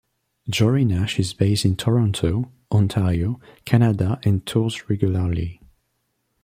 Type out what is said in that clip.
Jory Nash is based in Toronto, Ontario, Canada and tours regularly.